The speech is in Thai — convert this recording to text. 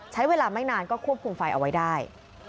ใช้เวลาไม่นานก็ควบคุมไฟเอาไว้ได้